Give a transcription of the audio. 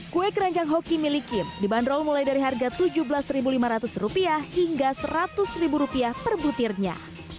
kue keranjang hoki milik kim dibanderol mulai dari harga tujuh belas lima ratus rupiah hingga seratus rupiah per butirnya